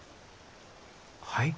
はい？